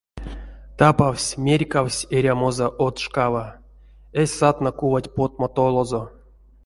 Тапавсь, мерькавсь эрямозо од шкава, эзь сатно кувать потмо толозо.